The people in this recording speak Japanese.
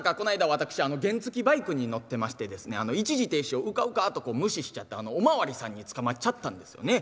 私原付きバイクに乗ってましてですね一時停止をうかうかとこう無視しちゃってお巡りさんに捕まっちゃったんですよね。